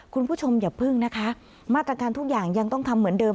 คุณผู้ชมอย่าพึ่งนะคะมาตรการทุกอย่างยังต้องทำเหมือนเดิม